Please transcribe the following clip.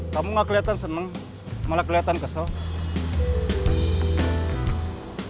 kamu gak keliatan seneng malah keliatan kesel